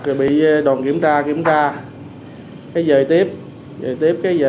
rồi bị đoàn kiểm tra kiểm tra rồi về tiếp